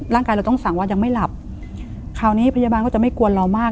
เราต้องสั่งว่ายังไม่หลับคราวนี้พยาบาลก็จะไม่กวนเรามาก